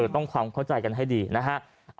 ต้องความเข้าใจกันให้ดีนะฮะ